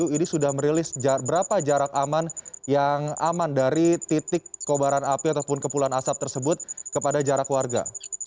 ini sudah merilis berapa jarak aman yang aman dari titik kobaran api ataupun kepulan asap tersebut kepada jarak warga